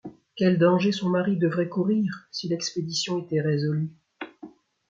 Quels dangers son mari devrait courir, si l'expédition était résolue !